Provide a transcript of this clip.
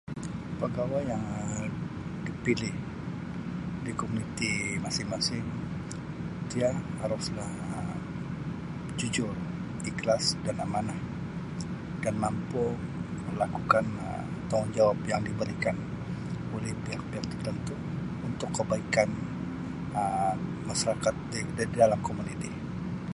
Perkara yang Um dipilih di komuniti masing-masing dia haruslah Um jujur, ikhlas dan amanah dan mampu melakukan Um tanggungjawab yang diberikan oleh pihak-pihak tertentu untuk kebaikan Um masyarakat di-di dalam komuniti.